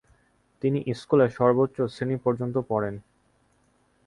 তিনি স্কুলে সর্বোচ্চ শ্রেণি পর্যন্ত পড়েন।